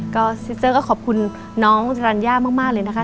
ก็ซิสเตอร์ก็ขอบคุณน้องสรรญามากเลยนะคะ